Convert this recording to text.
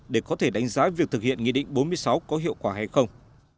để có thể đánh giá việc thực hiện nghị định bốn mươi sáu có hiệu quả hay không